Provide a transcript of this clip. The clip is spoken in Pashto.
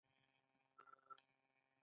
دې ودانیو خورا ډیرې او لویې کړکۍ درلودې.